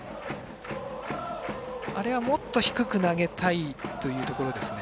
あれをもっと低く投げたいところですね。